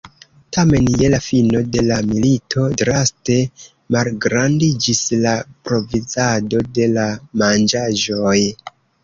Tamen je la fino de la milito draste malgrandiĝis la provizado de la manĝaĵoj.